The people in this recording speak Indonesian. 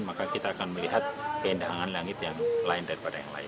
maka kita akan melihat keindahan langit yang lain daripada yang lain